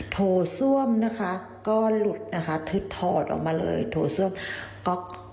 โถส้วมนะคะก็หลุดนะคะทึบถอดออกมาเลยโถส้วมก๊อก